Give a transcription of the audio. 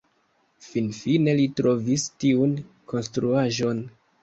Finfine li trovis tiun konstruaĵon.